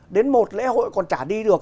đến một lễ hội còn chả đi được